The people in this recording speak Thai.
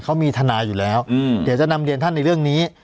เขามีทนายอยู่แล้วเดี๋ยวจะนำเรียนท่านในเรื่องนี้